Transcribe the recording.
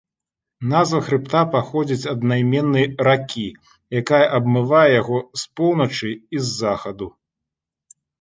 Назва хрыбта паходзіць ад аднайменнай ракі, якая абмывае яго з поўначы і захаду.